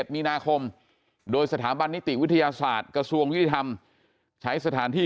มีนาคมโดยสถาบันนิติวิทยาศาสตร์กระทรวงยุติธรรมใช้สถานที่